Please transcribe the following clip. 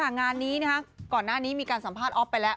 งานนี้ก่อนหน้านี้มีการสัมภาษณ์ออฟไปแล้ว